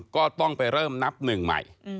ก็ต้องไปเริ่มนับหนึ่งใหม่